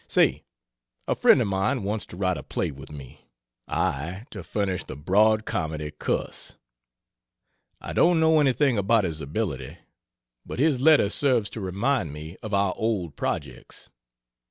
Say a friend of mine wants to write a play with me, I to furnish the broad comedy cuss. I don't know anything about his ability, but his letter serves to remind me of our old projects.